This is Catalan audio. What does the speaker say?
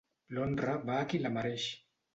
L'honra va a qui la mereix.